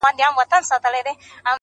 o که خس يم، د تا بس يم.